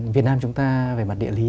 việt nam chúng ta về mặt địa lý